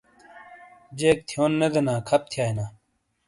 جیک تھیون نے دینا خپ تھیائینا ۔